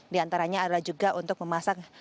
di antaranya adalah juga untuk memasak